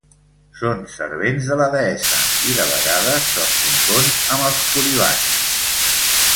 Són servents de la deessa, i de vegades se'ls confon amb els Coribants.